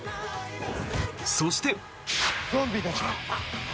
そして。